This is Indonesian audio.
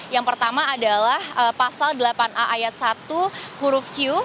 yang pertama adalah pasal delapan a ayat satu huruf q